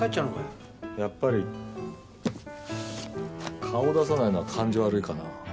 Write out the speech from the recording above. やっぱり顔出さないのは感じ悪いかな？